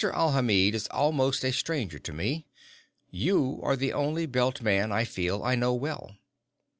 Alhamid is almost a stranger to me. You are the only Belt man I feel I know well.